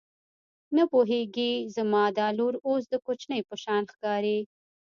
ته پوهېږې زما دا لور اوس د کوچۍ په شان ښکاري.